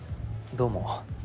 どうも。